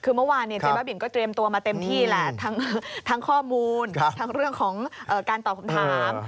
คือเมื่อวานเจ๊บ้าบินก็เตรียมตัวมาเต็มที่แหละทั้งข้อมูลทั้งเรื่องของการตอบคำถาม